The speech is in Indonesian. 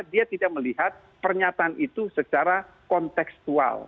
dia tidak melihat pernyataan itu secara konteksual